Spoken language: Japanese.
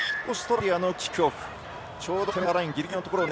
オーストラリアのキックオフ。